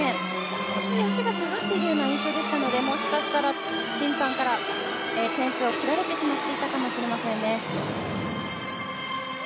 少し足が下がっているような印象でしたのでもしかしたら審判から点数が切られてしまっていたかもしれませんね。